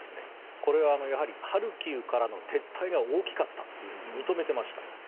これはやはりハルキウからの撤退が大きかったと認めておりました。